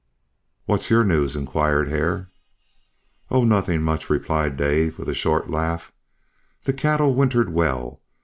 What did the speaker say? "What's your news?" inquired Hare. "Oh, nothing much," replied Dave, with a short laugh. "The cattle wintered well.